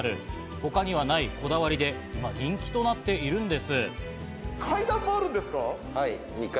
他にはないこだわりで人気になっているんです。